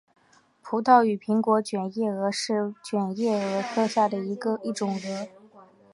葡萄与苹果卷叶蛾是卷叶蛾科下的一种蛾。